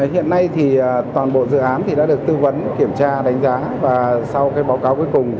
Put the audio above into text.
hiện nay thì toàn bộ dự án đã được tư vấn kiểm tra đánh giá và sau báo cáo cuối cùng